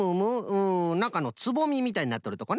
うんなかのつぼみみたいになっとるとこな。